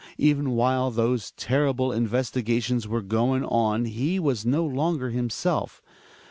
Even while those terrible investiga tions were going on he was no longer himself.